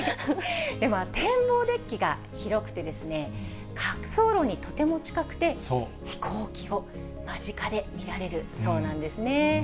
展望デッキが広くて、滑走路にとても近くて、飛行機を間近で見られるそうなんですね。